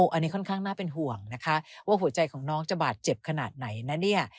อันนี้ค่อนข้างน่าเป็นห่วงนะคะว่าหัวใจของน้องจะบาดเจ็บขนาดไหนนะเนี่ย